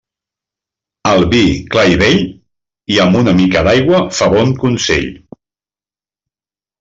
El vi clar i vell i amb una mica d'aigua fa bon consell.